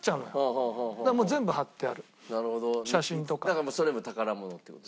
だからそれも宝物って事。